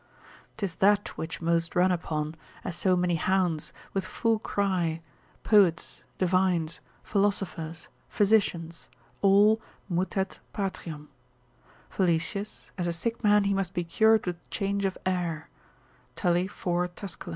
'Tis that which most run upon, as so many hounds, with full cry, poets, divines, philosophers, physicians, all, mutet patriam: Valesius: as a sick man he must be cured with change of air, Tully 4 Tuscul.